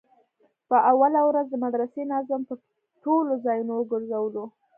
په اوله ورځ د مدرسې ناظم پر ټولو ځايونو وگرځولو.